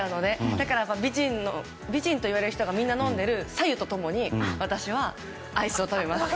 だから美人といわれる人がみんな飲んでる白湯と共に私はアイスを食べます。